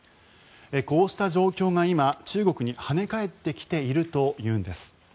こうした状況が今、中国にはね返ってきているというんです。